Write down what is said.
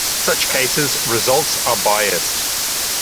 In such cases results are biased.